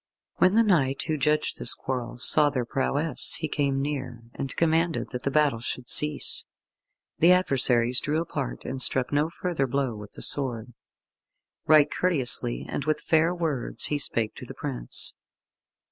When the knight who judged this quarrel saw their prowess, he came near, and commanded that the battle should cease. The adversaries drew apart, and struck no further blow with the sword. Right courteously and with fair words he spake to the prince.